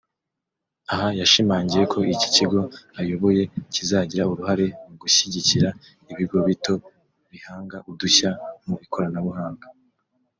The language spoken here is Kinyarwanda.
Aha yashimangiye ko iki kigo ayoboye kizagira uruhare mu gushyigikira ibigo bito bihanga udushya mu ikoranabuhanga